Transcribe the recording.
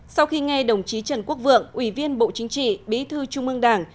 sau khi nghe đồng chí trần quốc vượng ủy viên bộ chính trị bí thư trung ương đảng